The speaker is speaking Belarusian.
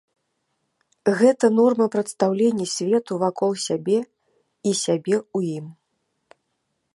Гэта норма прадстаўлення свету вакол сябе і сябе ў ім.